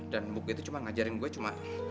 dan buku itu cuma ngajarin gue cuma